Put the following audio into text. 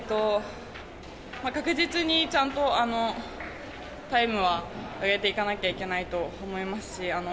確実にちゃんとタイムは上げていかなきゃいけないと思いますし。